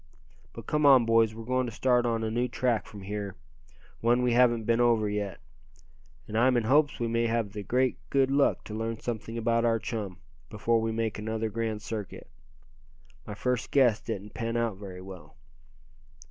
"But come on, boys, we're going to start on a new track from here, one we haven't been over yet. I'm in hopes we may have the great good luck to learn something about our chum, before we make another grand circuit. My first guess didn't pan out very well."